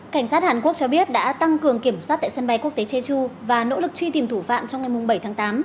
cảnh sát hàn quốc cho biết đã tăng cường kiểm soát tại sân bay quốc tế jeju và nỗ lực truy tìm thủ phạm trong ngày bảy tháng tám